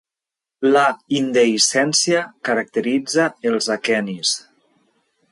La indehiscència caracteritza els aquenis.